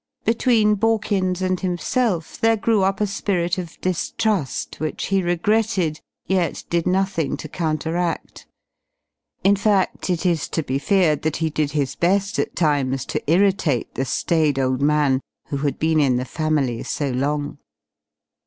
Between Borkins and himself there grew up a spirit of distrust which he regretted yet did nothing to counteract. In fact it is to be feared that he did his best at times to irritate the staid old man who had been in the family so long.